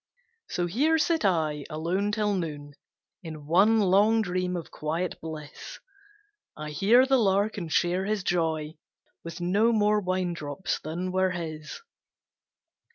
So here sit I, alone till noon, In one long dream of quiet bliss; I hear the lark and share his joy, With no more winedrops than were his.